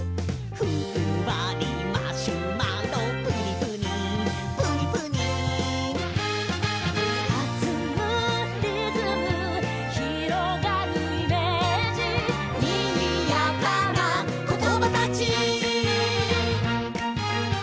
「ふんわりマシュマロプニプニプニプニ」「はずむリズム」「広がるイメージ」「にぎやかなコトバたち」